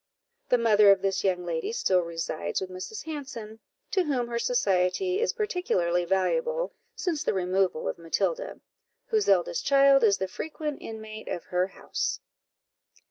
The mother of this young lady still resides with Mrs. Hanson, to whom her society is particularly valuable, since the removal of Matilda, whose eldest child is the frequent inmate of her house.